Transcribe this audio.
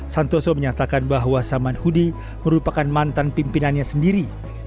santoso menyatakan bahwa saman hudi merupakan mantan pimpinannya sendiri